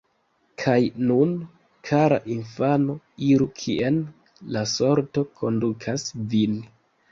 Kaj nun, kara infano, iru kien la sorto kondukas vin.